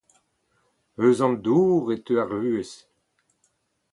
Eus an dour e teu ar vuhez.